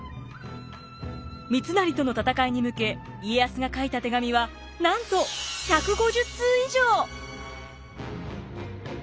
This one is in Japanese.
三成との戦いに向け家康が書いた手紙はなんと１５０通以上！